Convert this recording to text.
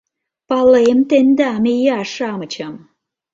Палем тендам, ия-шамычым!